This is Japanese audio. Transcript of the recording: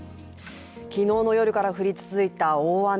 昨日の夜から降り続いた大雨。